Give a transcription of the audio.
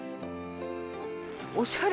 おしゃれ。